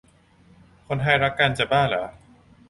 คนไทยรักกัน จะบ้าหรอ